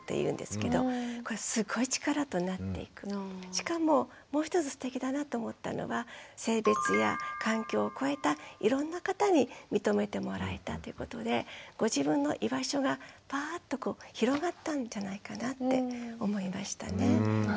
しかももう一つすてきだなと思ったのは性別や環境を超えたいろんな方に認めてもらえたということでご自分の居場所がパーッとこう広がったんじゃないかなって思いましたね。